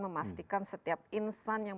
memastikan setiap insan yang